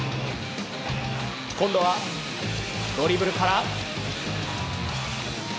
今度はドリブルから。